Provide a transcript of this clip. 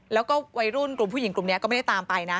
แล้วก็วัยรุ่นกลุ่มผู้หญิงกลุ่มนี้ก็ไม่ได้ตามไปนะ